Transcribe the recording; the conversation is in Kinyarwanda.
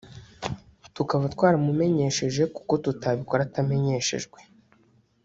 tukaba twaramumenyesheje kuko tutabikora atamenyeshejwe